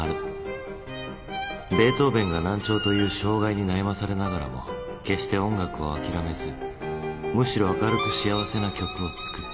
ベートーヴェンが難聴という障害に悩まされながらも決して音楽をあきらめずむしろ明るく幸せな曲を作った。